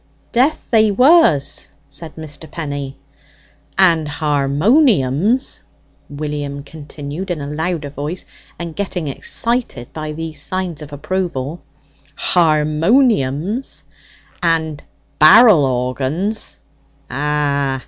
("Death they was!" said Mr. Penny.) "And harmonions," William continued in a louder voice, and getting excited by these signs of approval, "harmonions and barrel organs" ("Ah!"